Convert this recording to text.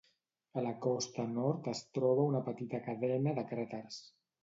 A la costa nord es troba una petita cadena de cràters.